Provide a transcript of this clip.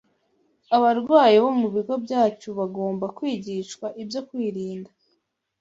Abarwayi bo mu bigo byacu bagomba kwigishwa ibyo kwirinda